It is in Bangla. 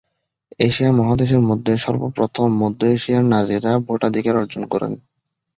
এশিয়া মহাদেশের মধ্যে সর্বপ্রথম মধ্য এশিয়ার নারীরা ভোটাধিকার অর্জন করেন।